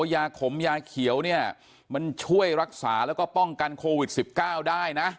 ยาขมยาเขียวเนี่ยมันช่วยรักษาแล้วก็ป้องกันโควิด๑๙ได้นะ